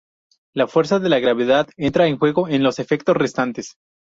La fuerza de la gravedad entra en juego en los efectos restantes.